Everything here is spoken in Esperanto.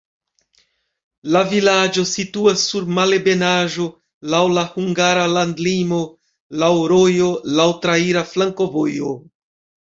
La vilaĝo situas sur malebenaĵo, laŭ la hungara landlimo, laŭ rojo, laŭ traira flankovojo.